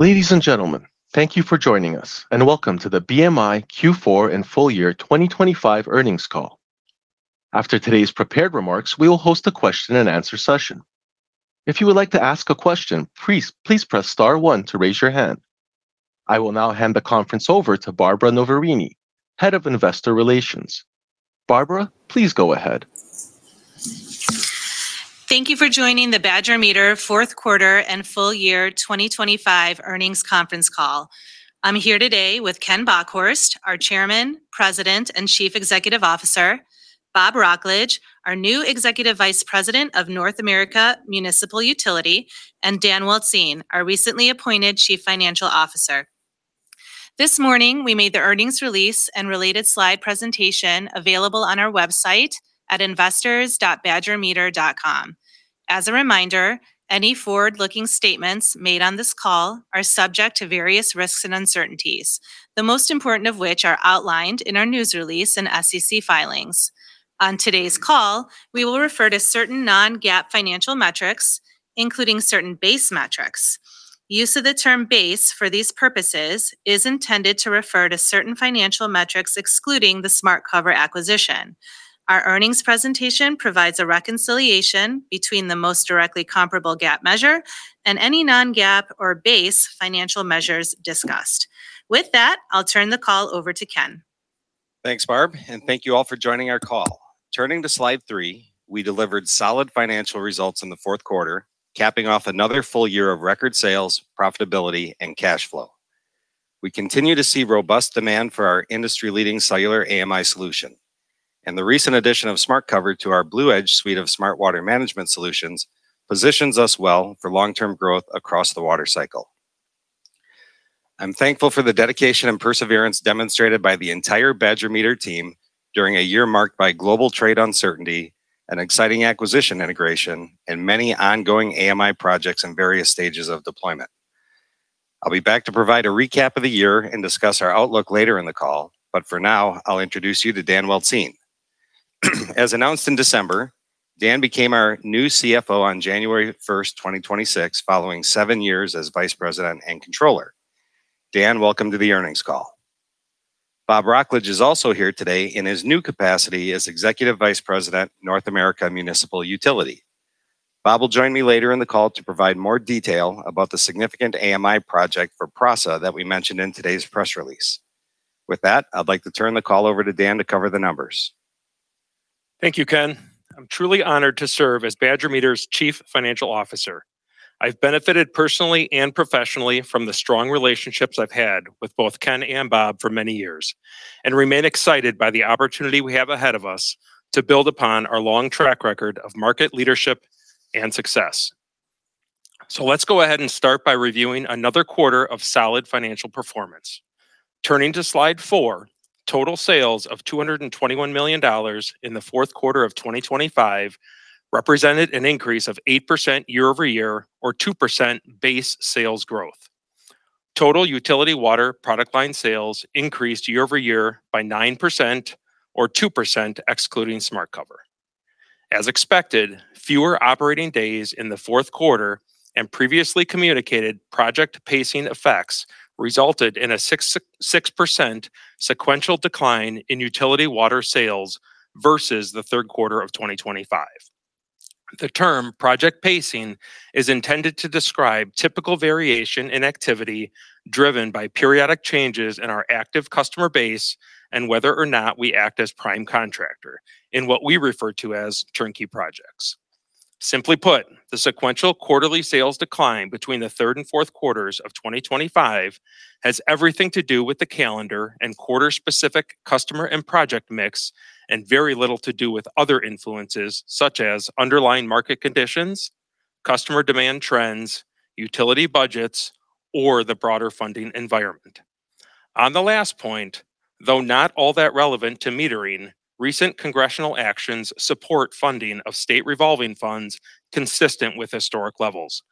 Ladies and gentlemen, thank you for joining us, and welcome to the BMI Q4 and full year 2025 earnings call. After today's prepared remarks, we will host a question and answer session. If you would like to ask a question, please press star one to raise your hand. I will now hand the conference over to Barbara Noverini, Head of Investor Relations. Barbara, please go ahead. Thank you for joining the Badger Meter fourth quarter and full year 2025 earnings conference call. I'm here today with Ken Bockhorst, our Chairman, President, and Chief Executive Officer, Bob Wrocklage, our new Executive Vice President of North America Municipal Utility, and Dan Weltzien, our recently appointed Chief Financial Officer. This morning, we made the earnings release and related slide presentation available on our website at investors.badgermeter.com. As a reminder, any forward-looking statements made on this call are subject to various risks and uncertainties, the most important of which are outlined in our news release and SEC filings. On today's call, we will refer to certain non-GAAP financial metrics, including certain base metrics. Use of the term "base" for these purposes is intended to refer to certain financial metrics excluding the SmartCover acquisition. Our earnings presentation provides a reconciliation between the most directly comparable GAAP measure and any non-GAAP or base financial measures discussed. With that, I'll turn the call over to Ken. Thanks, Barb, and thank you all for joining our call. Turning to slide 3, we delivered solid financial results in the fourth quarter, capping off another full year of record sales, profitability, and cash flow. We continue to see robust demand for our industry-leading cellular AMI solution, and the recent addition of SmartCover to our BlueEdge suite of smart water management solutions positions us well for long-term growth across the water cycle. I'm thankful for the dedication and perseverance demonstrated by the entire Badger Meter team during a year marked by global trade uncertainty, an exciting acquisition integration, and many ongoing AMI projects in various stages of deployment. I'll be back to provide a recap of the year and discuss our outlook later in the call, but for now, I'll introduce you to Dan Weltzien. As announced in December, Dan became our new CFO on January first, 2026, following 7 years as Vice President and Controller. Dan, welcome to the earnings call. Bob Wrocklage is also here today in his new capacity as Executive Vice President, North America Municipal Utility. Bob will join me later in the call to provide more detail about the significant AMI project for PRASA that we mentioned in today's press release. With that, I'd like to turn the call over to Dan to cover the numbers. Thank you, Ken. I'm truly honored to serve as Badger Meter's Chief Financial Officer. I've benefited personally and professionally from the strong relationships I've had with both Ken and Bob for many years, and remain excited by the opportunity we have ahead of us to build upon our long track record of market leadership and success. Let's go ahead and start by reviewing another quarter of solid financial performance. Turning to slide 4, total sales of $221 million in the fourth quarter of 2025 represented an increase of 8% year-over-year or 2% base sales growth. Total utility water product line sales increased year-over-year by 9% or 2%, excluding SmartCover. As expected, fewer operating days in the fourth quarter and previously communicated project pacing effects resulted in a 6.6% sequential decline in utility water sales versus the third quarter of 2025. The term project pacing is intended to describe typical variation in activity driven by periodic changes in our active customer base and whether or not we act as prime contractor in what we refer to as turnkey projects. Simply put, the sequential quarterly sales decline between the third and fourth quarters of 2025 has everything to do with the calendar and quarter-specific customer and project mix, and very little to do with other influences, such as underlying market conditions, customer demand trends, utility budgets, or the broader funding environment. On the last point, though, not all that relevant to metering, recent congressional actions support funding of state revolving funds consistent with historic levels.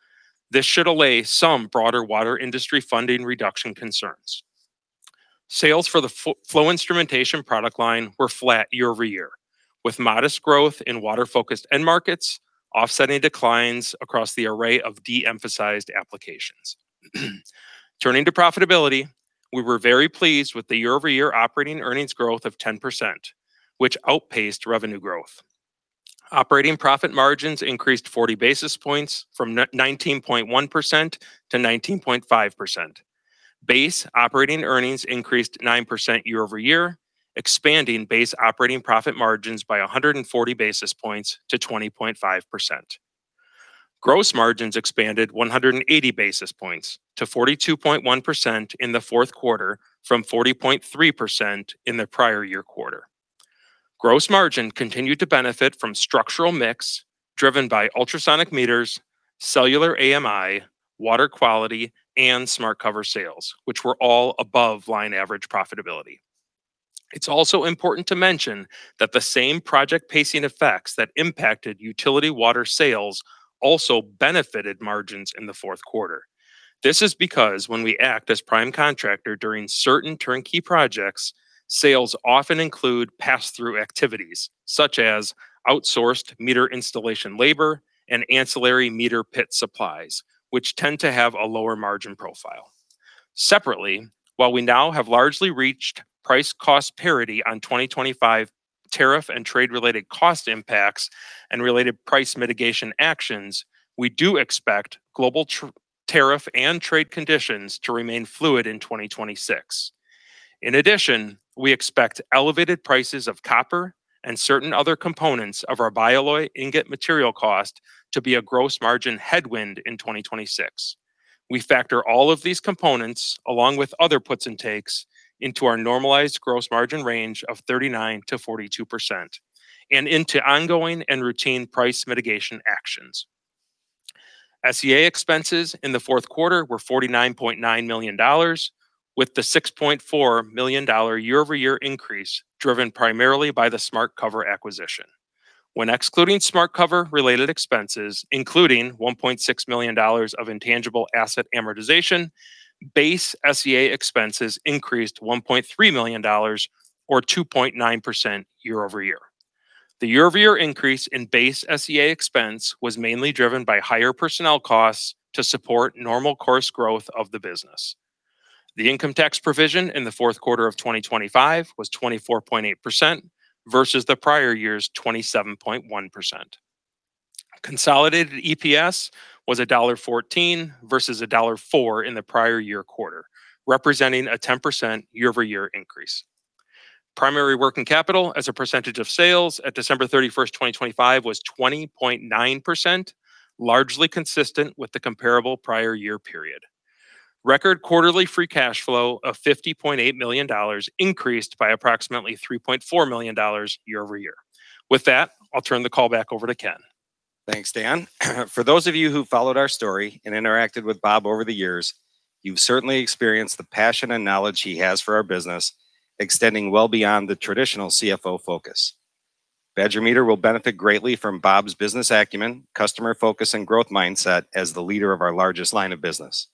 This should allay some broader water industry funding reduction concerns. Sales for the flow instrumentation product line were flat year-over-year, with modest growth in water-focused end markets, offsetting declines across the array of de-emphasized applications. Turning to profitability, we were very pleased with the year-over-year operating earnings growth of 10%, which outpaced revenue growth. Operating profit margins increased 40 basis points from nineteen point one percent to 19.5%. Base operating earnings increased 9% year-over-year, expanding base operating profit margins by 140 basis points to 20.5%. Gross margins expanded 180 basis points to 42.1% in the fourth quarter, from 40.3% in the prior year quarter. Gross margin continued to benefit from structural mix driven by ultrasonic meters, cellular AMI, water quality, and SmartCover sales, which were all above line average profitability. It's also important to mention that the same project pacing effects that impacted utility water sales also benefited margins in the fourth quarter. This is because when we act as prime contractor during certain turnkey projects, sales often include pass-through activities, such as outsourced meter installation labor and ancillary meter pit supplies, which tend to have a lower margin profile. Separately, while we now have largely reached price cost parity on 2025 tariff and trade-related cost impacts and related price mitigation actions, we do expect global tariff and trade conditions to remain fluid in 2026. In addition, we expect elevated prices of copper and certain other components of our bialloy ingot material cost to be a gross margin headwind in 2026. We factor all of these components, along with other puts and takes, into our normalized gross margin range of 39%-42% and into ongoing and routine price mitigation actions. SG&A expenses in the fourth quarter were $49.9 million, with the $6.4 million year-over-year increase driven primarily by the SmartCover acquisition. When excluding SmartCover-related expenses, including $1.6 million of intangible asset amortization, base SG&A expenses increased $1.3 million, or 2.9% year-over-year. The year-over-year increase in base SG&A expense was mainly driven by higher personnel costs to support normal course growth of the business. The income tax provision in the fourth quarter of 2025 was 24.8% versus the prior year's 27.1%. Consolidated EPS was $1.14 versus $1.04 in the prior year quarter, representing a 10% year-over-year increase. Primary working capital as a percentage of sales at December 31, 2025, was 20.9%, largely consistent with the comparable prior year period. Record quarterly free cash flow of $50.8 million increased by approximately $3.4 million year-over-year. With that, I'll turn the call back over to Ken. Thanks, Dan. For those of you who followed our story and interacted with Bob over the years, you've certainly experienced the passion and knowledge he has for our business, extending well beyond the traditional CFO focus. Badger Meter will benefit greatly from Bob's business acumen, customer focus, and growth mindset as the leader of our largest line of business.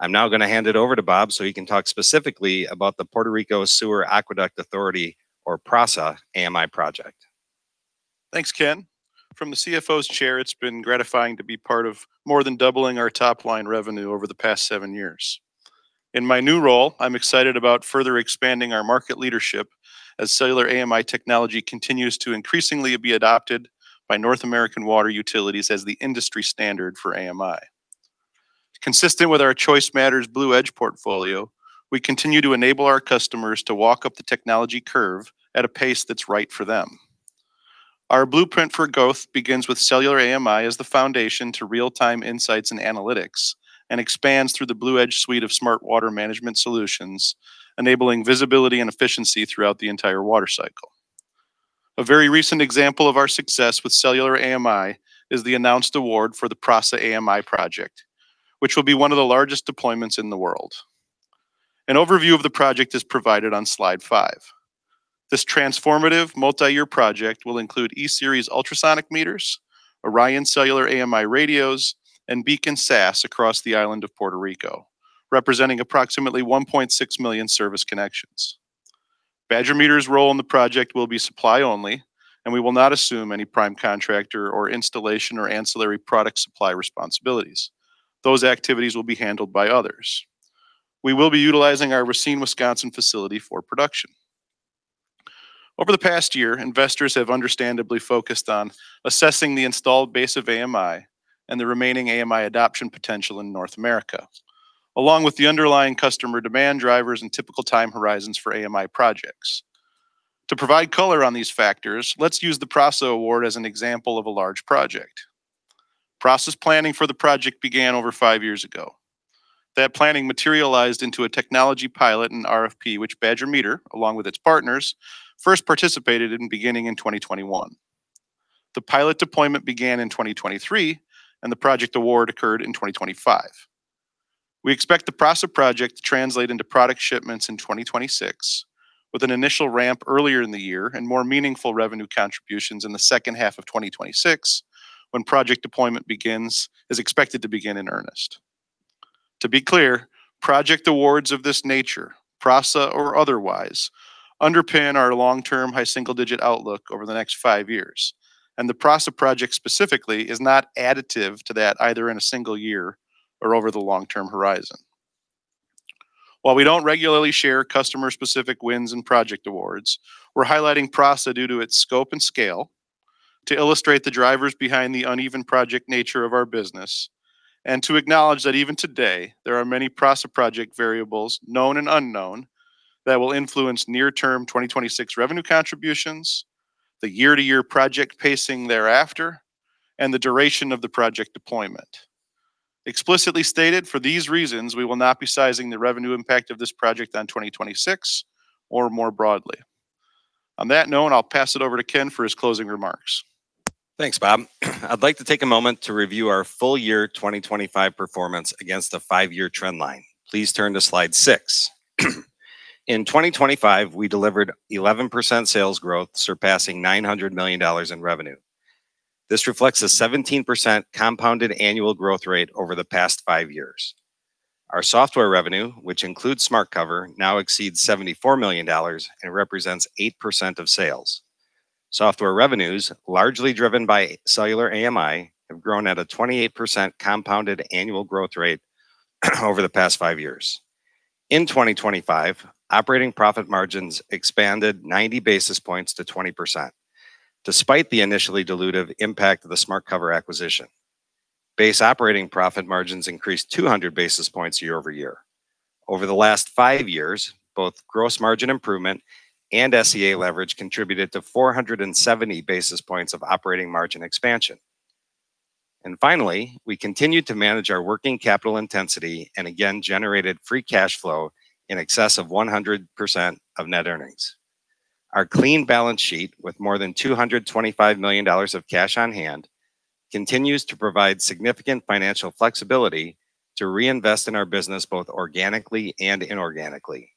I'm now going to hand it over to Bob so he can talk specifically about the Puerto Rico Aqueduct and Sewer Authority, or PRASA, AMI project. Thanks, Ken. From the CFO's chair, it's been gratifying to be part of more than doubling our top-line revenue over the past seven years. In my new role, I'm excited about further expanding our market leadership as cellular AMI technology continues to increasingly be adopted by North American water utilities as the industry standard for AMI. Consistent with our Choice Matters Blue Edge portfolio, we continue to enable our customers to walk up the technology curve at a pace that's right for them. Our blueprint for growth begins with cellular AMI as the foundation to real-time insights and analytics and expands through the Blue Edge suite of smart water management solutions, enabling visibility and efficiency throughout the entire water cycle. A very recent example of our success with cellular AMI is the announced award for the PRASA AMI project, which will be one of the largest deployments in the world. An overview of the project is provided on slide 5. This transformative multi-year project will include E-Series ultrasonic meters, ORION cellular AMI radios, and BEACON SaaS across the island of Puerto Rico, representing approximately 1.6 million service connections. Badger Meter's role in the project will be supply only, and we will not assume any prime contractor or installation or ancillary product supply responsibilities. Those activities will be handled by others. We will be utilizing our Racine, Wisconsin, facility for production. Over the past year, investors have understandably focused on assessing the installed base of AMI and the remaining AMI adoption potential in North America, along with the underlying customer demand drivers and typical time horizons for AMI projects. To provide color on these factors, let's use the PRASA award as an example of a large project. PRASA's planning for the project began over 5 years ago. That planning materialized into a technology pilot and RFP, which Badger Meter, along with its partners, first participated in beginning in 2021. The pilot deployment began in 2023, and the project award occurred in 2025. We expect the PRASA project to translate into product shipments in 2026, with an initial ramp earlier in the year and more meaningful revenue contributions in the second half of 2026, when project deployment begins, is expected to begin in earnest. To be clear, project awards of this nature, PRASA or otherwise, underpin our long-term high single-digit outlook over the next five years, and the PRASA project specifically is not additive to that, either in a single year or over the long-term horizon. While we don't regularly share customer-specific wins and project awards, we're highlighting PRASA due to its scope and scale to illustrate the drivers behind the uneven project nature of our business and to acknowledge that even today, there are many PRASA project variables, known and unknown, that will influence near-term 2026 revenue contributions, the year-to-year project pacing thereafter, and the duration of the project deployment. Explicitly stated, for these reasons, we will not be sizing the revenue impact of this project on 2026 or more broadly. On that note, I'll pass it over to Ken for his closing remarks. Thanks, Bob. I'd like to take a moment to review our full year 2025 performance against the 5-year trend line. Please turn to slide 6. In 2025, we delivered 11% sales growth, surpassing $900 million in revenue. This reflects a 17% compounded annual growth rate over the past 5 years. Our software revenue, which includes SmartCover, now exceeds $74 million and represents 8% of sales. Software revenues, largely driven by cellular AMI, have grown at a 28% compounded annual growth rate over the past 5 years…. In 2025, operating profit margins expanded 90 basis points to 20%, despite the initially dilutive impact of the SmartCover acquisition. Base operating profit margins increased 200 basis points year-over-year. Over the last 5 years, both gross margin improvement and SG&A leverage contributed to 470 basis points of operating margin expansion. Finally, we continued to manage our working capital intensity and again generated free cash flow in excess of 100% of net earnings. Our clean balance sheet, with more than $225 million of cash on hand, continues to provide significant financial flexibility to reinvest in our business, both organically and inorganically.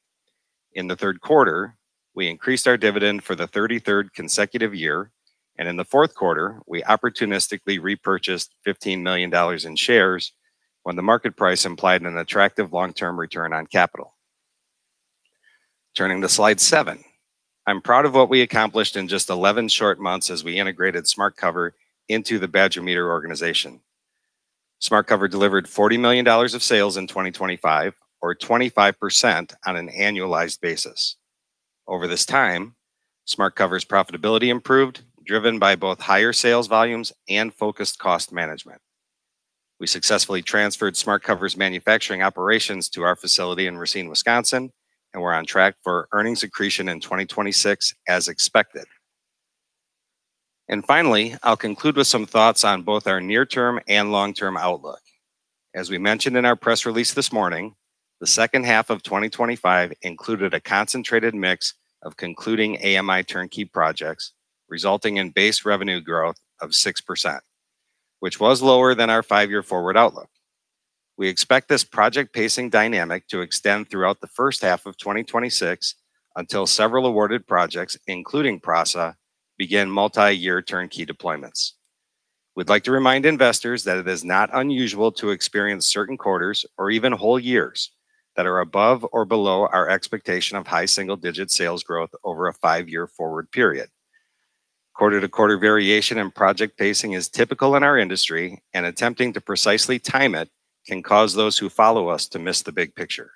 In the third quarter, we increased our dividend for the 33rd consecutive year, and in the fourth quarter, we opportunistically repurchased $15 million in shares when the market price implied an attractive long-term return on capital. Turning to slide 7. I'm proud of what we accomplished in just 11 short months as we integrated SmartCover into the Badger Meter organization. SmartCover delivered $40 million of sales in 2025, or 25% on an annualized basis. Over this time, SmartCover's profitability improved, driven by both higher sales volumes and focused cost management. We successfully transferred SmartCover's manufacturing operations to our facility in Racine, Wisconsin, and we're on track for earnings accretion in 2026, as expected. Finally, I'll conclude with some thoughts on both our near-term and long-term outlook. As we mentioned in our press release this morning, the second half of 2025 included a concentrated mix of concluding AMI turnkey projects, resulting in base revenue growth of 6%, which was lower than our 5-year forward outlook. We expect this project pacing dynamic to extend throughout the first half of 2026, until several awarded projects, including PRASA, begin multiyear turnkey deployments. We'd like to remind investors that it is not unusual to experience certain quarters, or even whole years, that are above or below our expectation of high single-digit sales growth over a five-year forward period. Quarter-to-quarter variation in project pacing is typical in our industry, and attempting to precisely time it can cause those who follow us to miss the big picture.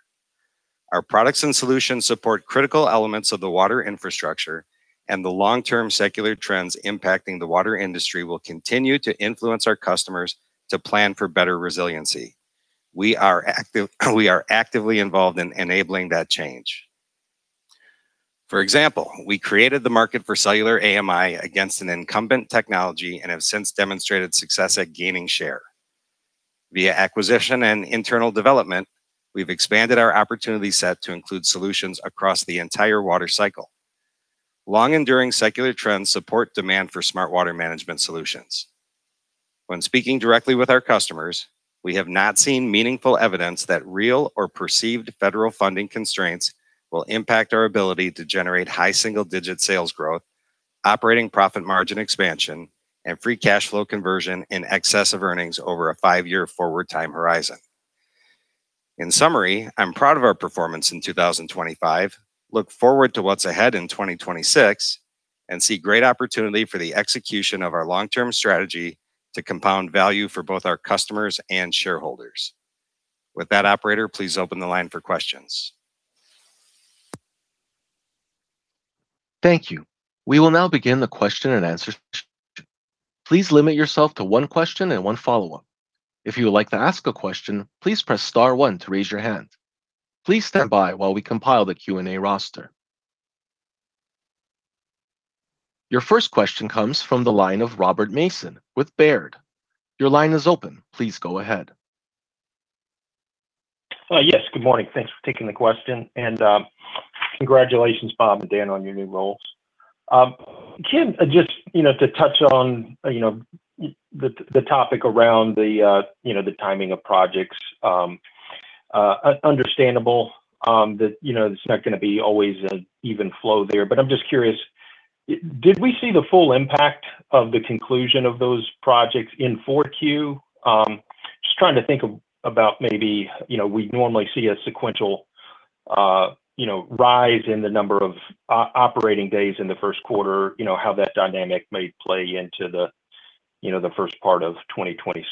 Our products and solutions support critical elements of the water infrastructure, and the long-term secular trends impacting the water industry will continue to influence our customers to plan for better resiliency. We are actively involved in enabling that change. For example, we created the market for cellular AMI against an incumbent technology and have since demonstrated success at gaining share. Via acquisition and internal development, we've expanded our opportunity set to include solutions across the entire water cycle. Long-enduring secular trends support demand for smart water management solutions. When speaking directly with our customers, we have not seen meaningful evidence that real or perceived federal funding constraints will impact our ability to generate high single-digit sales growth, operating profit margin expansion, and free cash flow conversion in excess of earnings over a five-year forward time horizon. In summary, I'm proud of our performance in 2025, look forward to what's ahead in 2026, and see great opportunity for the execution of our long-term strategy to compound value for both our customers and shareholders. With that, operator, please open the line for questions. Thank you. We will now begin the question and answer. Please limit yourself to one question and one follow-up. If you would like to ask a question, please press star one to raise your hand. Please stand by while we compile the Q&A roster. Your first question comes from the line of Robert Mason with Baird. Your line is open. Please go ahead. Yes, good morning. Thanks for taking the question, and congratulations, Bob and Dan, on your new roles. Ken, just, you know, to touch on, you know, the topic around the timing of projects. Understandable, you know, that it's not gonna be always an even flow there, but I'm just curious, did we see the full impact of the conclusion of those projects in 4Q? Just trying to think about maybe, you know, we normally see a sequential, you know, rise in the number of operating days in the first quarter, you know, how that dynamic may play into the first part of 2026.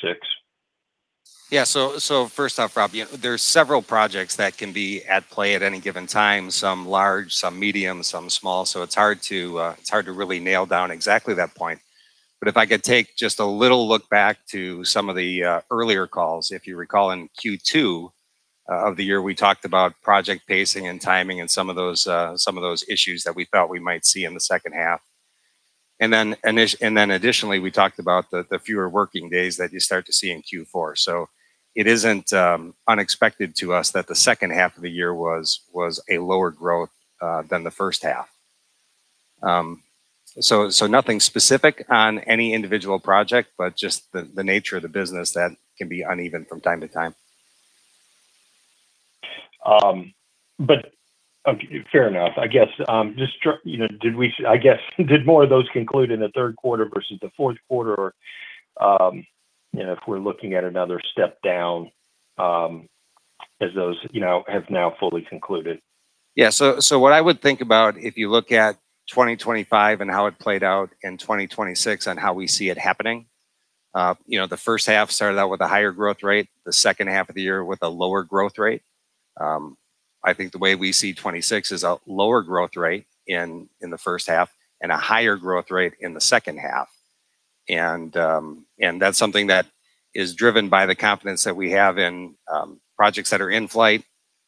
Yeah. So first off, Rob, you know, there are several projects that can be at play at any given time, some large, some medium, some small. So it's hard to really nail down exactly that point. But if I could take just a little look back to some of the earlier calls. If you recall, in Q2 of the year, we talked about project pacing and timing and some of those issues that we thought we might see in the second half. And then additionally, we talked about the fewer working days that you start to see in Q4. So it isn't unexpected to us that the second half of the year was a lower growth than the first half. So, nothing specific on any individual project, but just the nature of the business that can be uneven from time to time. Okay, fair enough. I guess, you know, did more of those conclude in the third quarter versus the fourth quarter? You know, if we're looking at another step down, as those, you know, have now fully concluded. Yeah, so what I would think about, if you look at 2025 and how it played out in 2026 on how we see it happening, you know, the first half started out with a higher growth rate, the second half of the year with a lower growth rate. I think the way we see 2026 is a lower growth rate in the first half and a higher growth rate in the second half. And that's something that is driven by the confidence that we have in projects that are in flight,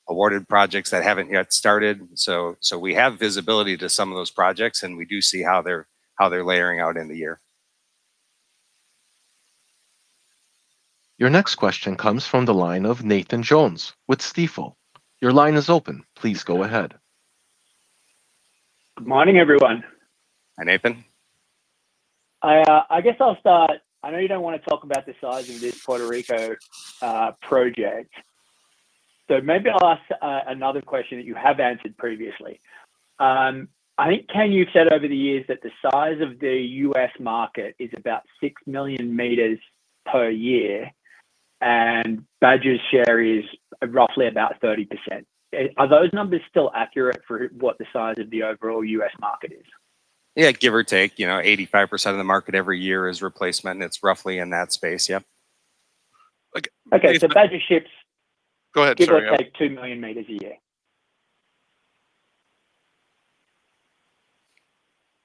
awarded projects that haven't yet started. So we have visibility to some of those projects, and we do see how they're laying out in the year. Your next question comes from the line of Nathan Jones with Stifel. Your line is open. Please go ahead. Good morning, everyone. Hi, Nathan. I, I guess I'll start. I know you don't wanna talk about the size of this Puerto Rico project, so maybe I'll ask another question that you have answered previously. I think, Ken, you've said over the years that the size of the U.S. market is about 6 million meters per year, and Badger's share is roughly about 30%. Are those numbers still accurate for what the size of the overall U.S. market is? Yeah, give or take, you know, 85% of the market every year is replacement, and it's roughly in that space. Yep. Okay, so Badger ships- Go ahead, sorry.... give or take 2 million meters a year.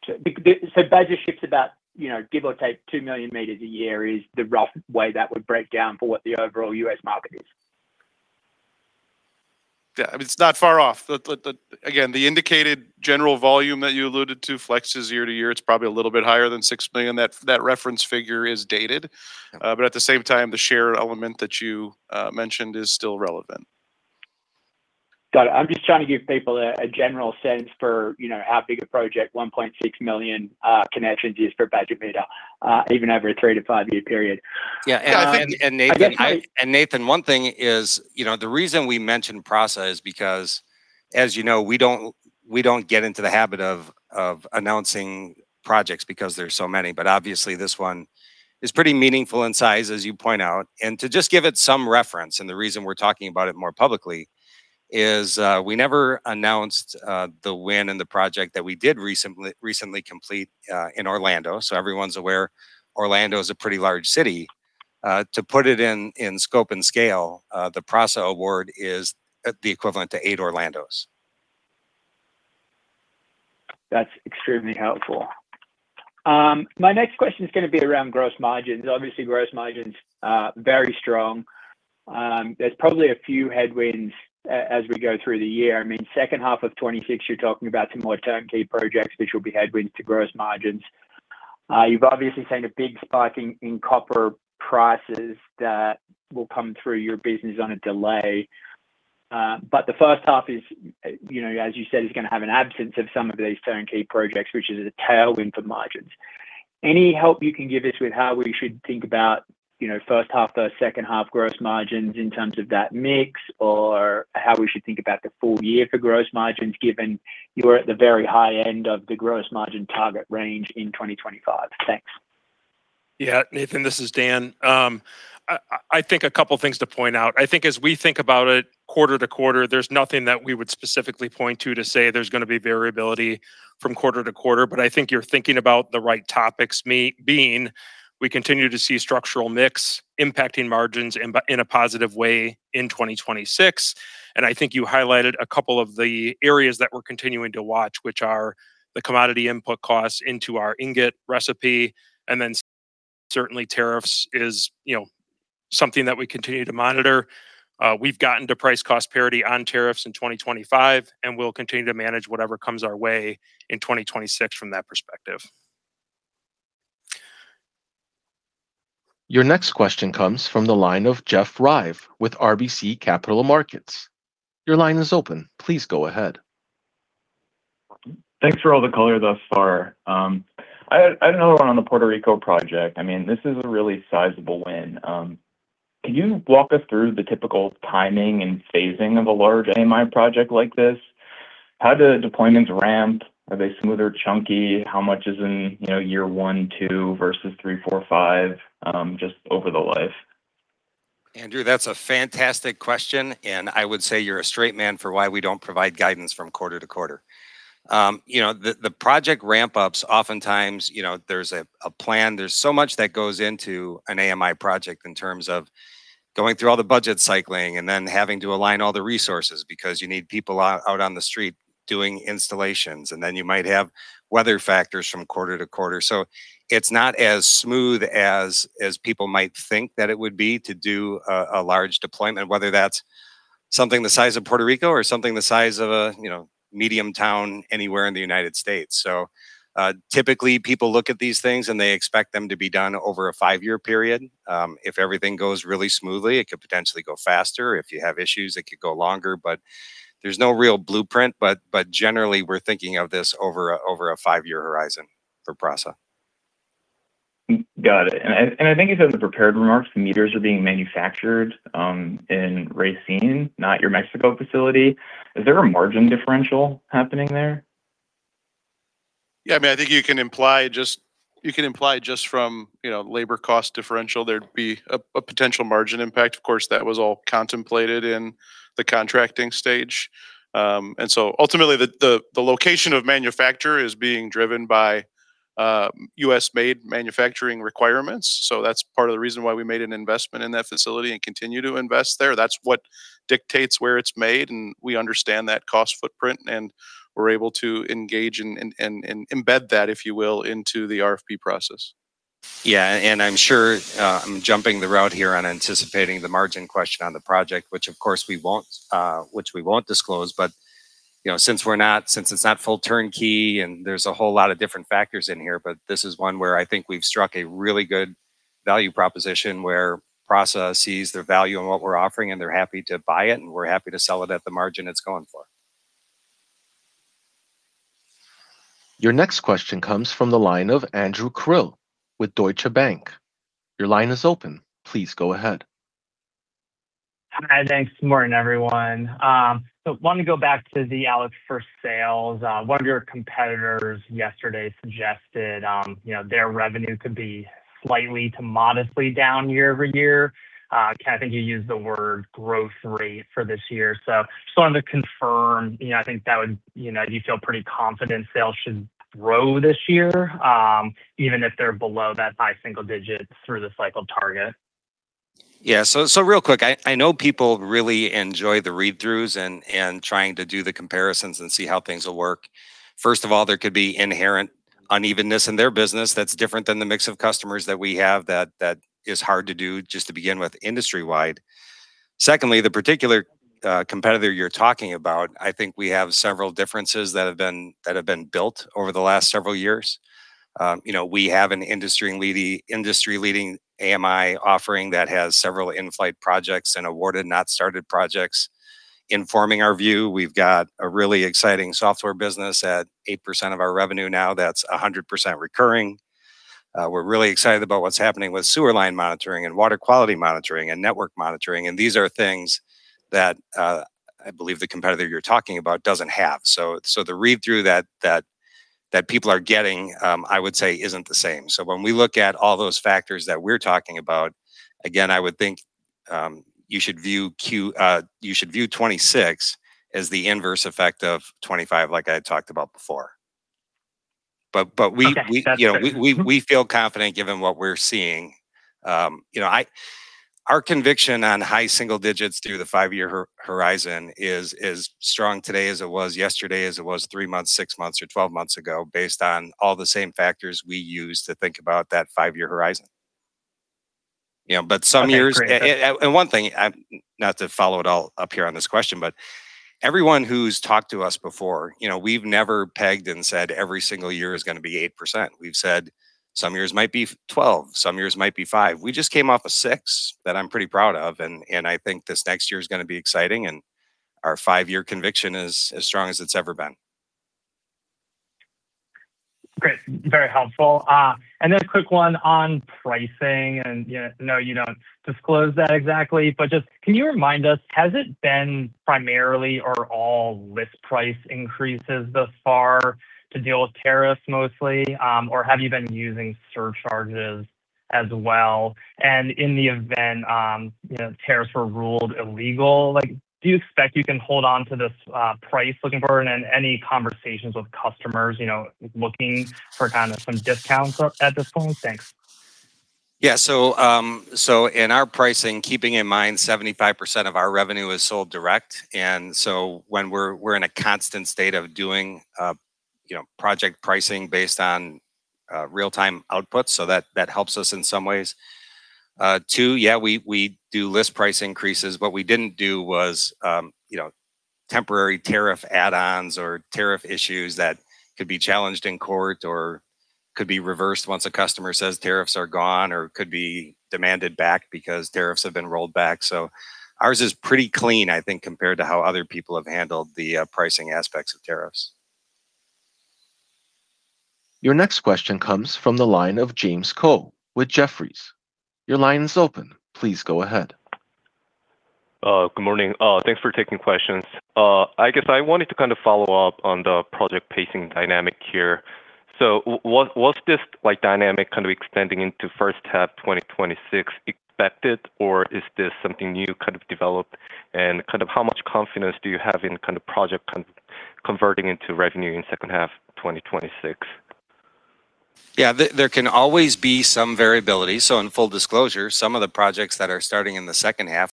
So Badger ships about, you know, give or take 2 million meters a year is the rough way that would break down for what the overall U.S. market is. Yeah, I mean, it's not far off. The indicated general volume that you alluded to flexes year to year. It's probably a little bit higher than $6 million. That reference figure is dated, but at the same time, the share element that you mentioned is still relevant. Got it. I'm just trying to give people a general sense for, you know, how big a project 1.6 million connections is for Badger Meter, even over a 3- to 5-year period. Yeah, and Nathan- I think I- And Nathan, one thing is, you know, the reason we mention PRASA is because, as you know, we don't, we don't get into the habit of announcing projects because there are so many. But obviously, this one is pretty meaningful in size, as you point out. And to just give it some reference, and the reason we're talking about it more publicly, is we never announced the win and the project that we did recently complete in Orlando. So everyone's aware Orlando is a pretty large city. To put it in scope and scale, the PRASA award is the equivalent to 8 Orlandos. That's extremely helpful. My next question is gonna be around gross margins. Obviously, gross margins are very strong. There's probably a few headwinds as we go through the year. I mean, second half of 2026, you're talking about some more turnkey projects, which will be headwinds to gross margins. You've obviously seen a big spike in copper prices that will come through your business on a delay. But the first half is, you know, as you said, is gonna have an absence of some of these turnkey projects, which is a tailwind for margins. Any help you can give us with how we should think about, you know, first half versus second half gross margins in terms of that mix? Or how we should think about the full year for gross margins, given you're at the very high end of the gross margin target range in 2025? Thanks. Yeah, Nathan, this is Dan. I think a couple of things to point out. I think as we think about it quarter to quarter, there's nothing that we would specifically point to, to say there's gonna be variability from quarter to quarter. But I think you're thinking about the right topics, meaning we continue to see structural mix impacting margins in a positive way in 2026. And I think you highlighted a couple of the areas that we're continuing to watch, which are the commodity input costs into our ingot recipe, and then certainly tariffs is, you know, something that we continue to monitor. We've gotten to price cost parity on tariffs in 2025, and we'll continue to manage whatever comes our way in 2026 from that perspective. Your next question comes from the line of Jeff Reive with RBC Capital Markets. Your line is open. Please go ahead. Thanks for all the color thus far. I know on the Puerto Rico project, I mean, this is a sizable win. Can you walk us through the typical timing and phasing of a large AMI project like this? How do deployments ramp? Are they smooth or chunky? How much is in, you know, year one, two, versus three, four, five, just over the life? Andrew, that's a fantastic question, and I would say you're a straight man for why we don't provide guidance from quarter to quarter. You know, the project ramp-ups, oftentimes, you know, there's a plan. There's so much that goes into an AMI project in terms of going through all the budget cycling and then having to align all the resources, because you need people out on the street doing installations, and then you might have weather factors from quarter to quarter. So it's not as smooth as people might think that it would be to do a large deployment, whether that's something the size of Puerto Rico or something the size of a, you know, medium town anywhere in the United States. So, typically, people look at these things, and they expect them to be done over a five-year period. If everything goes really smoothly, it could potentially go faster. If you have issues, it could go longer. But there's no real blueprint, but generally, we're thinking of this over a five-year horizon for PRASA. Got it. And I think you said in the prepared remarks, the meters are being manufactured in Racine, not your Mexico facility. Is there a margin differential happening there? Yeah, I mean, I think you can imply just from, you know, labor cost differential, there'd be a potential margin impact. Of course, that was all contemplated in the contracting stage. And so ultimately, the location of manufacture is being driven by U.S.-made manufacturing requirements. So that's part of the reason why we made an investment in that facility and continue to invest there. That's what dictates where it's made, and we understand that cost footprint, and we're able to engage and embed that, if you will, into the RFP process. Yeah, and I'm sure, I'm jumping the gun here on anticipating the margin question on the project, which, of course, we won't disclose. But, you know, since it's not full turnkey, and there's a whole lot of different factors in here, but this is one where I think we've struck a really good value proposition, where PRASA sees the value in what we're offering, and they're happy to buy it, and we're happy to sell it at the margin it's going for. Your next question comes from the line of Andrew Krill with Deutsche Bank. Your line is open. Please go ahead. Hi, thanks. Good morning, everyone. So wanted to go back to the base sales. One of your competitors yesterday suggested, you know, their revenue could be slightly to modestly down year-over-year. Ken, I think you used the word growth rate for this year. So just wanted to confirm, you know, I think that would, you know, do you feel pretty confident sales should grow this year, even if they're below that high single digits through the cycle target? Yeah. So, real quick, I know people really enjoy the read-throughs and trying to do the comparisons and see how things will work. First of all, there could be inherent unevenness in their business that's different than the mix of customers that we have that is hard to do just to begin with industry-wide. Secondly, the particular competitor you're talking about, I think we have several differences that have been built over the last several years. You know, we have an industry-leading AMI offering that has several in-flight projects and awarded, not started projects. Informing our view, we've got a really exciting software business at 8% of our revenue now that's 100% recurring. We're really excited about what's happening with sewer line monitoring and water quality monitoring and network monitoring, and these are things that, I believe the competitor you're talking about doesn't have. So the read-through that people are getting, I would say, isn't the same. So when we look at all those factors that we're talking about, again, I would think, you should view 26 as the inverse effect of 25, like I talked about before. But we- Okay. You know, we feel confident, given what we're seeing. You know, our conviction on high single digits through the 5-year horizon is as strong today as it was yesterday, as it was 3 months, 6 months, or 12 months ago, based on all the same factors we use to think about that 5-year horizon. You know, but some years- Okay, great. One thing, not to follow it all up here on this question, but everyone who's talked to us before, you know, we've never pegged and said every single year is gonna be 8%. We've said some years might be 12, some years might be 5. We just came off a 6 that I'm pretty proud of, and I think this next year is gonna be exciting, and our five-year conviction is as strong as it's ever been. Great, very helpful. And then a quick one on pricing, and, yeah, I know you don't disclose that exactly, but just can you remind us, has it been primarily or all list price increases thus far to deal with tariffs mostly, or have you been using surcharges as well? And in the event, you know, tariffs were ruled illegal, like, do you expect you can hold on to this price looking forward and any conversations with customers, you know, looking for kind of some discounts at this point? Thanks. Yeah. So, in our pricing, keeping in mind, 75% of our revenue is sold direct, and so when we're in a constant state of doing, you know, project pricing based on real-time output, so that helps us in some ways. Too, yeah, we do list price increases. What we didn't do was, you know, temporary tariff add-ons or tariff issues that could be challenged in court or could be reversed once a customer says tariffs are gone, or could be demanded back because tariffs have been rolled back. So ours is pretty clean, I think, compared to how other people have handled the pricing aspects of tariffs. Your next question comes from the line of James Ko with Jefferies. Your line is open. Please go ahead. Good morning. Thanks for taking questions. I guess I wanted to kind of follow up on the project pacing dynamic here. So what's this like, dynamic kind of extending into first half 2026 expected, or is this something new kind of developed? And kind of how much confidence do you have in kind of project converting into revenue in second half 2026? Yeah, there, there can always be some variability. So in full disclosure, some of the projects that are starting in the second half,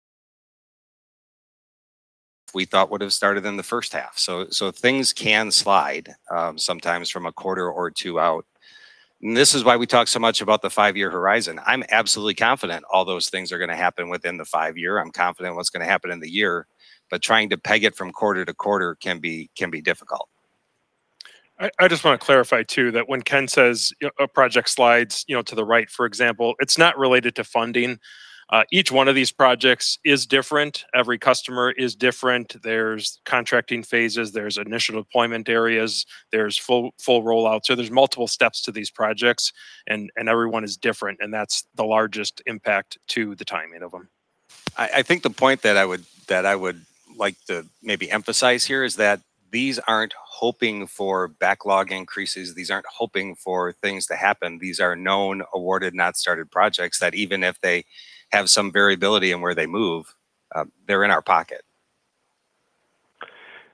we thought would have started in the first half. So, so things can slide, sometimes from a quarter or two out, and this is why we talk so much about the five-year horizon. I'm absolutely confident all those things are gonna happen within the five-year. I'm confident what's gonna happen in the year, but trying to peg it from quarter to quarter can be difficult. I just want to clarify too, that when Ken says a project slides, you know, to the right, for example, it's not related to funding. Each one of these projects is different. Every customer is different. There's contracting phases, there's initial deployment areas, there's full rollout. So there's multiple steps to these projects, and everyone is different, and that's the largest impact to the timing of them. I think the point that I would like to maybe emphasize here is that these aren't hoping for backlog increases. These aren't hoping for things to happen. These are known, awarded, not started projects, that even if they have some variability in where they move, they're in our pocket....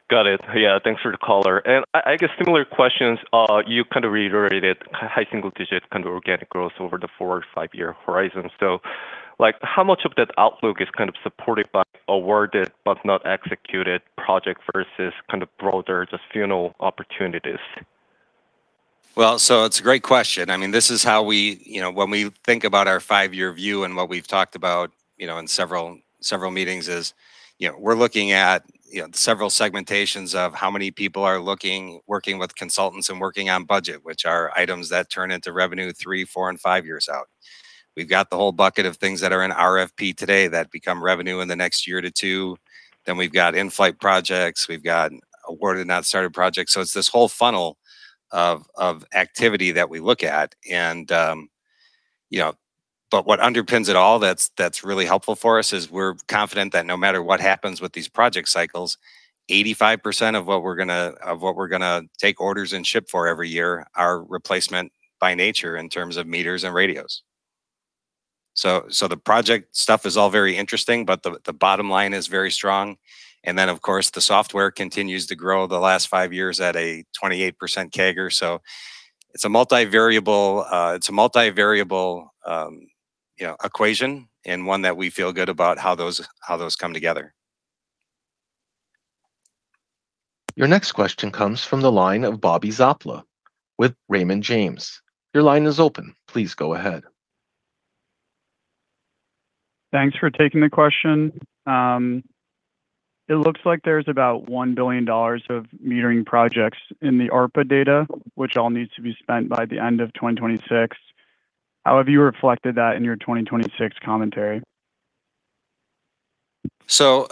Got it. Yeah, thanks for the caller. And I guess similar questions, you kind of reiterated high single-digit kind of organic growth over the 4- or 5-year horizon. So, like, how much of that outlook is kind of supported by awarded but not executed project versus kind of broader just funnel opportunities? Well, so it's a great question. I mean, this is how we, you know, when we think about our five-year view and what we've talked about, you know, in several, several meetings is, you know, we're looking at, you know, several segmentations of how many people are looking, working with consultants and working on budget, which are items that turn into revenue three, four, and five years out. We've got the whole bucket of things that are in RFP today that become revenue in the next year to two. Then we've got in-flight projects, we've got awarded, not started projects. So it's this whole funnel of activity that we look at, and, you know, but what underpins it all that's really helpful for us is we're confident that no matter what happens with these project cycles, 85% of what we're gonna take orders and ship for every year are replacement by nature in terms of meters and radios. So the project stuff is all very interesting, but the bottom line is very strong. And then, of course, the software continues to grow the last five years at a 28% CAGR. So it's a multivariable, you know, equation, and one that we feel good about how those come together. Your next question comes from the line of Bobby Zolper with Raymond James. Your line is open. Please go ahead. Thanks for taking the question. It looks like there's about $1 billion of metering projects in the ARPA data, which all needs to be spent by the end of 2026. How have you reflected that in your 2026 commentary? So,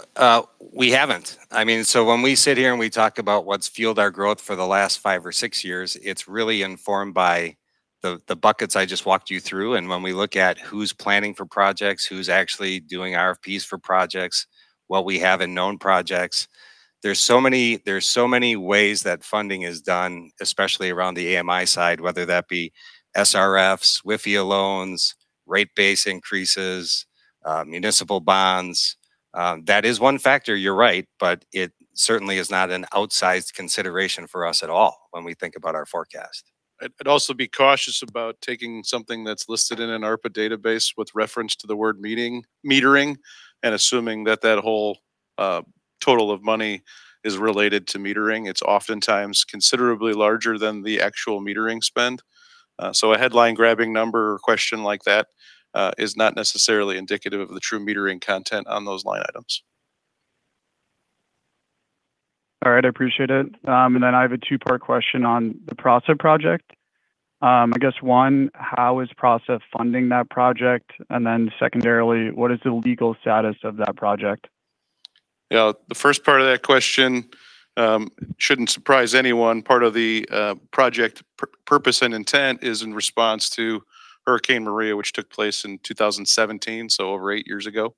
we haven't. I mean, so when we sit here and we talk about what's fueled our growth for the last five or six years, it's really informed by the, the buckets I just walked you through. And when we look at who's planning for projects, who's actually doing RFPs for projects, what we have in known projects, there's so many, there's so many ways that funding is done, especially around the AMI side, whether that be SRFs, WIFIA loans, rate-based increases, municipal bonds. That is one factor, you're right, but it certainly is not an outsized consideration for us at all when we think about our forecast. I'd also be cautious about taking something that's listed in an ARPA database with reference to the word metering, and assuming that that whole total of money is related to metering. It's oftentimes considerably larger than the actual metering spend. So a headline grabbing number or question like that is not necessarily indicative of the true metering content on those line items. All right, I appreciate it. And then I have a two-part question on the PRASA project. I guess one, how is PRASA funding that project? And then secondarily, what is the legal status of that project? Yeah, the first part of that question shouldn't surprise anyone. Part of the project purpose and intent is in response to Hurricane Maria, which took place in 2017, so over eight years ago.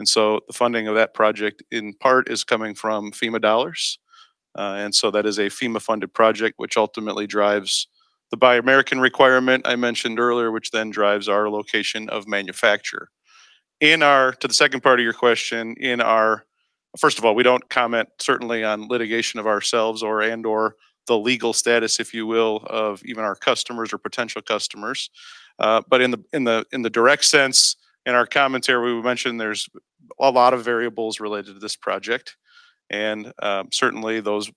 And so the funding of that project, in part, is coming from FEMA dollars. And so that is a FEMA-funded project, which ultimately drives the Buy American requirement I mentioned earlier, which then drives our location of manufacture. To the second part of your question, first of all, we don't comment, certainly, on litigation of ourselves or, and/or the legal status, if you will, of even our customers or potential customers. But in the direct sense, in our commentary, we mentioned there's a lot of variables related to this project, and certainly, those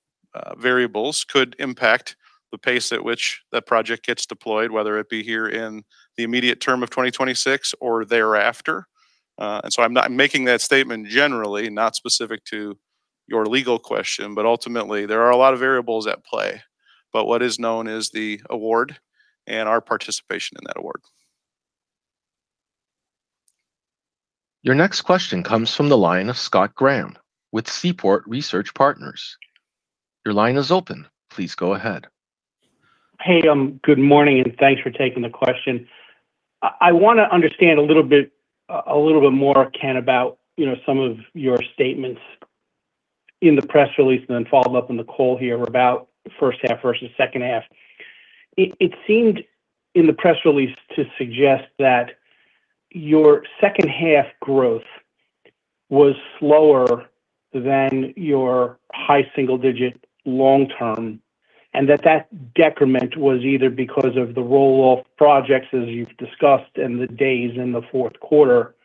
variables could impact the pace at which that project gets deployed, whether it be here in the immediate term of 2026 or thereafter. And so I'm not making that statement generally, not specific to your legal question, but ultimately, there are a lot of variables at play. But what is known is the award and our participation in that award. Your next question comes from the line of Scott Graham with Seaport Research Partners. Your line is open. Please go ahead. Hey, good morning, and thanks for taking the question. I wanna understand a little bit more, Ken, about, you know, some of your statements in the press release, and then follow up on the call here about first half versus second half. It seemed in the press release to suggest that your second-half growth was slower than your high single digit long-term, and that that decrement was either because of the roll-off projects, as you've discussed, and the days in the fourth quarter,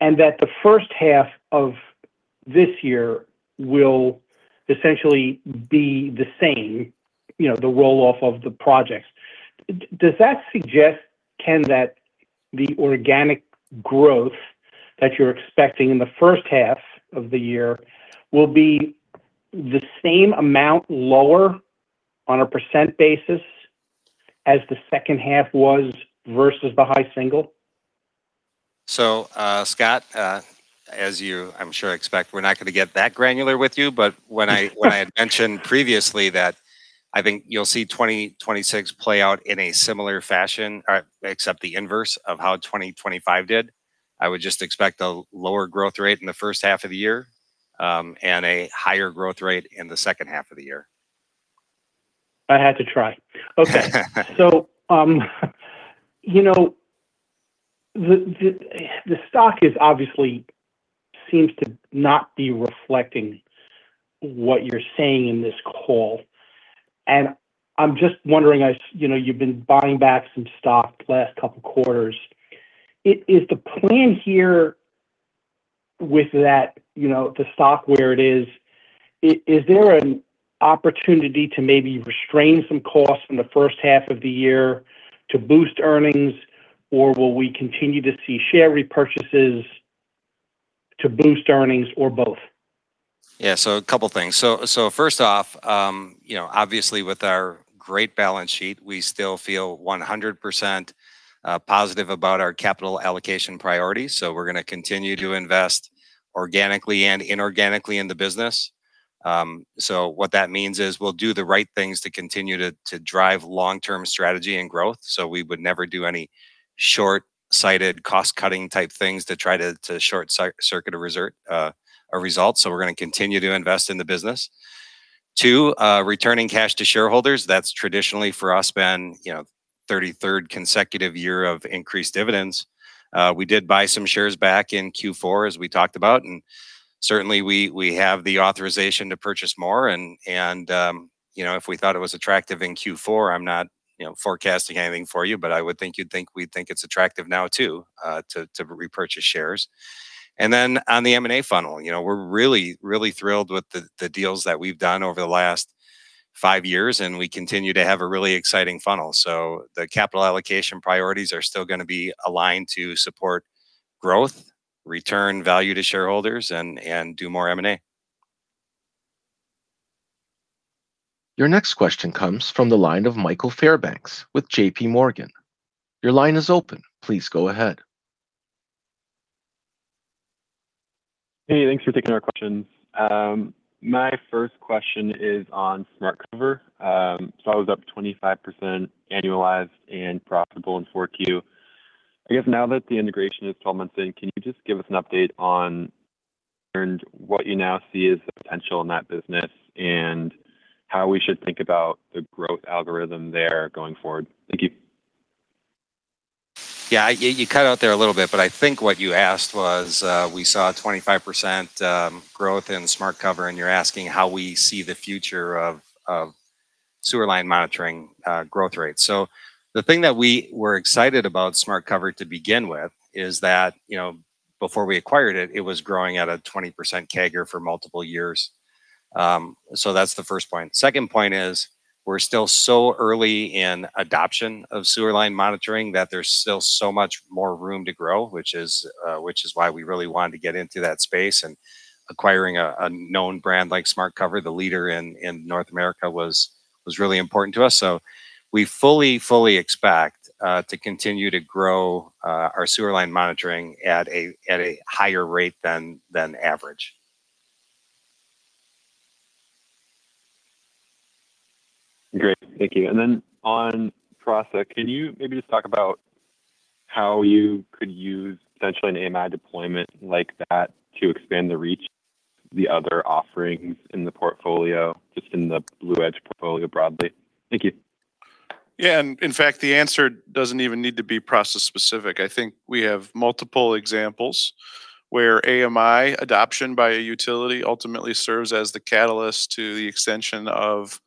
and that the first half of this year will essentially be the same, you know, the roll-off of the projects. Does that suggest, Ken, that the organic growth that you're expecting in the first half of the year will be the same amount lower on a percent basis as the second half was versus the high single? So, Scott, as you, I'm sure, expect, we're not gonna get that granular with you. But when I had mentioned previously that I think you'll see 2026 play out in a similar fashion, except the inverse of how 2025 did, I would just expect a lower growth rate in the first half of the year, and a higher growth rate in the second half of the year.... I had to try. Okay. So, you know, the stock obviously seems to not be reflecting what you're saying in this call, and I'm just wondering, as you know, you've been buying back some stock the last couple quarters. Is the plan here with that, you know, the stock where it is, is there an opportunity to maybe restrain some costs in the first half of the year to boost earnings? Or will we continue to see share repurchases to boost earnings, or both? Yeah, so a couple things. So first off, you know, obviously, with our great balance sheet, we still feel 100% positive about our capital allocation priorities, so we're gonna continue to invest organically and inorganically in the business. So what that means is, we'll do the right things to continue to drive long-term strategy and growth, so we would never do any short-sighted, cost-cutting type things to try to short-circuit or reset a result, so we're gonna continue to invest in the business. Two, returning cash to shareholders, that's traditionally, for us, been, you know, thirty-third consecutive year of increased dividends. We did buy some shares back in Q4, as we talked about, and certainly, we have the authorization to purchase more, and you know, if we thought it was attractive in Q4, I'm not, you know, forecasting anything for you, but I would think you'd think we'd think it's attractive now, too, to repurchase shares. And then on the M&A funnel, you know, we're really, really thrilled with the deals that we've done over the last five years, and we continue to have a really exciting funnel. So the capital allocation priorities are still gonna be aligned to support growth, return value to shareholders, and do more M&A. Your next question comes from the line of Michael Fairbanks with J.P. Morgan. Your line is open. Please go ahead. Hey, thanks for taking our questions. My first question is on SmartCover. So I was up 25% annualized and profitable in 4Q. I guess now that the integration is 12 months in, can you just give us an update on and what you now see as the potential in that business, and how we should think about the growth algorithm there going forward? Thank you. Yeah, you cut out there a little bit, but I think what you asked was, we saw a 25% growth in SmartCover, and you're asking how we see the future of sewer line monitoring growth rate. So the thing that we were excited about SmartCover to begin with is that, you know, before we acquired it, it was growing at a 20% CAGR for multiple years. So that's the first point. Second point is, we're still so early in adoption of sewer line monitoring, that there's still so much more room to grow, which is, which is why we really wanted to get into that space. And acquiring a known brand like SmartCover, the leader in North America, was really important to us. So we fully, fully expect to continue to grow our sewer line monitoring at a, at a higher rate than, than average. Great. Thank you. And then on PRASA, can you maybe just talk about how you could use potentially an AMI deployment like that to expand the reach of the other offerings in the portfolio, just in the Blue Edge portfolio broadly? Thank you. Yeah, and in fact, the answer doesn't even need to be PRASA specific. I think we have multiple examples where AMI adoption by a utility ultimately serves as the catalyst to the extension of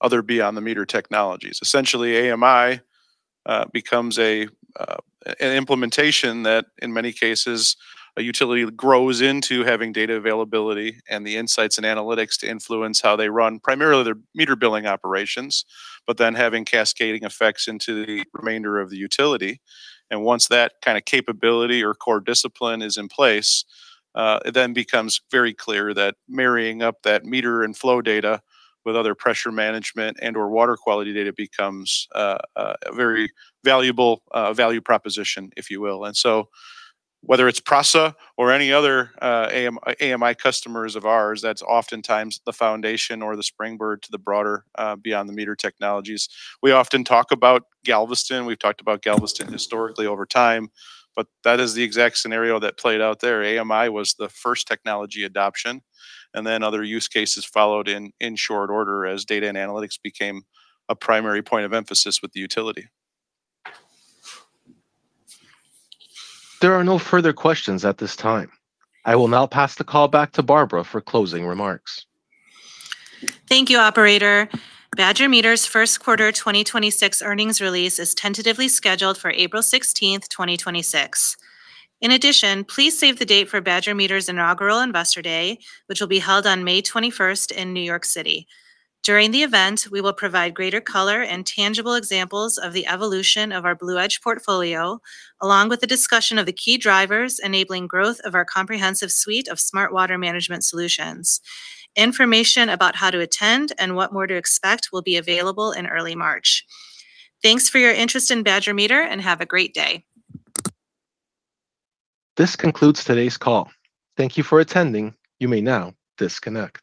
other beyond the meter technologies. Essentially, AMI becomes an implementation that, in many cases, a utility grows into having data availability and the insights and analytics to influence how they run, primarily their meter billing operations, but then having cascading effects into the remainder of the utility. And once that kind of capability or core discipline is in place, it then becomes very clear that marrying up that meter and flow data with other pressure management and/or water quality data becomes a very valuable value proposition, if you will. Whether it's PRASA or any other AMI customers of ours, that's oftentimes the foundation or the springboard to the broader beyond-the-meter technologies. We often talk about Galveston. We've talked about Galveston historically over time, but that is the exact scenario that played out there. AMI was the first technology adoption, and then other use cases followed in short order as data and analytics became a primary point of emphasis with the utility. There are no further questions at this time. I will now pass the call back to Barbara for closing remarks. Thank you, operator. Badger Meter's first quarter 2026 earnings release is tentatively scheduled for April 16, 2026. In addition, please save the date for Badger Meter's Inaugural Investor Day, which will be held on May 21 in New York City. During the event, we will provide greater color and tangible examples of the evolution of our Blue Edge portfolio, along with the discussion of the key drivers enabling growth of our comprehensive suite of smart water management solutions. Information about how to attend and what more to expect will be available in early March. Thanks for your interest in Badger Meter, and have a great day. This concludes today's call. Thank you for attending. You may now disconnect.